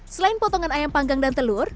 selain potongan ayam panggang dan telur